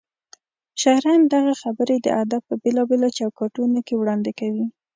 شاعران دغه خبرې د ادب په بېلابېلو چوکاټونو کې وړاندې کوي.